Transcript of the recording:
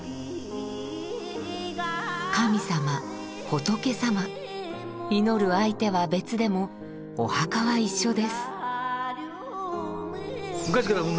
神様・仏様祈る相手は別でもお墓は一緒です。